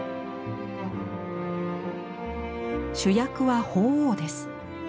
主役は鳳凰です。